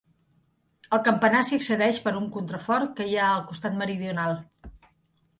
Al campanar s’hi accedeix per un contrafort que hi ha al costat meridional.